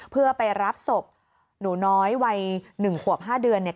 เพื่อไปรับศพหนูน้อยวัย๑ขวบ๕เดือนเนี่ย